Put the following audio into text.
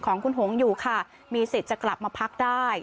ของคุณหงอยู่ค่ะมีสิทธิ์จะกลับมาพักได้